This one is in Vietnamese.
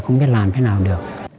không biết làm thế nào được